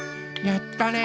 やったね。